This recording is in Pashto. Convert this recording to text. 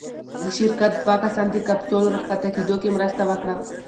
د شرکت دوه کسان د کپسول راښکته کېدو کې مرسته وکړه.